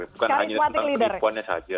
bukan hanya tentang penipuannya saja